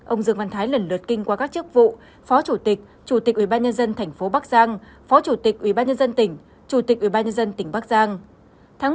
ông dương văn thái lần lượt kinh qua các chức vụ phó chủ tịch chủ tịch ủy ban nhân dân tp bắc giang phó chủ tịch ủy ban nhân dân tỉnh chủ tịch ủy ban nhân dân tỉnh bắc giang